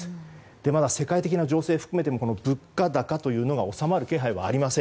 まだ世界的な情勢を含めても物価高が収まる気配がありません。